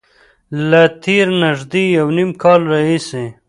له تېر نږدې یو نیم کال راهیسې